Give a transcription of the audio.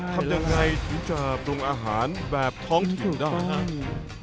ทำยังไงถึงจะปรุงอาหารแบบท้องถิ่นได้